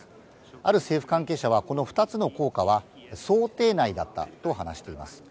ある政府関係者は、この２つの効果は想定内だったと話しています。